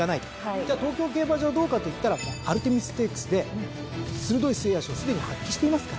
じゃあ東京競馬場どうかといったらアルテミスステークスで鋭い末脚をすでに発揮していますから。